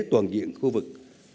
toàn diện khu vực